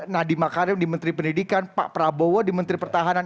nadiem makarim di menteri pendidikan pak prabowo di menteri pertahanan